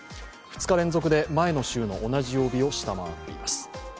２日連続で前の週の同じ曜日を下回っています。